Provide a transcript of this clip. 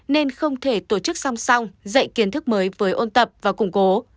nên không thể tổ chức song song dạy kiến thức mới với ôn tập và củng cố